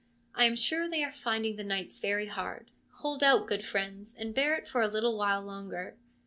I am sure they are finding the nights very hard. Hold out, good friends, and bear it for a little while longer.'